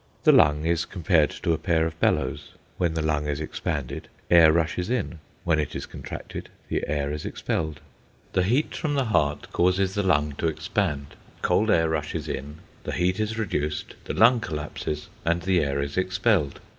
The lung is compared to a pair of bellows. When the lung is expanded, air rushes in; when it is contracted, the air is expelled. The heat from the heart causes the lung to expand cold air rushes in, the heat is reduced, the lung collapses, and the air is expelled.